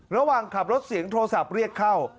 ระหว่างขับรถเสียงโทรศัพท์เรียกเข้า